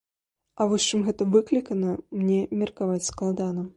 А вось чым гэта выклікана, мне меркаваць складана.